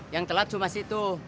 yang telat cuma situ